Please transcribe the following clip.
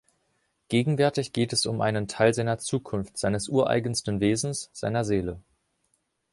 Gegenwärtig geht es um einen Teil seiner Zukunft, seines ureigensten Wesens, seiner Seele.